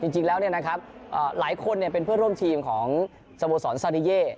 จริงแล้วหลายคนเป็นเพื่อนร่วมทีมของสโมสรซาดิเย่